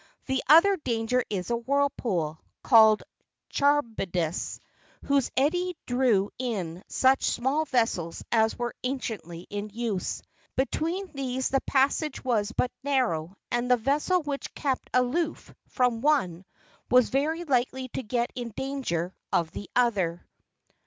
The other danger is a whirlpool, called Charybdis, whose eddy drew in such small vessels as were anciently in use. Between these the passage was but narrow, and the vessel which kept aloof from one, was very likely to get in danger of the other.